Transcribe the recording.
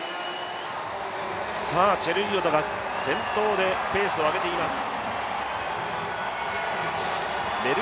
チェルイヨトが先頭でペースを上げています。